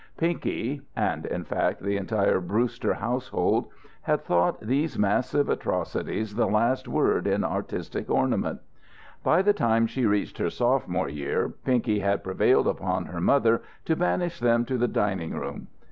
Pinky and in fact the entire Brewster household had thought these massive atrocities the last word in artistic ornament. By the time she reached her sophomore year, Pinky had prevailed upon her mother to banish them to the dining room.